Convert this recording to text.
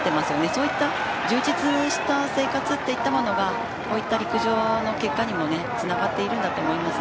そういう充実した生活というのが陸上の結果にもつながっているんだと思います。